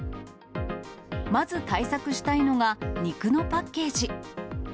まず対策したいのが肉のパッケージ。